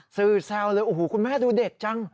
สื่อแซวเลยอู้หูคุณแม่ดูเด็กจัง